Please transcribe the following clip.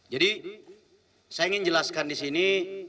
jadi saya ingin jelaskan disini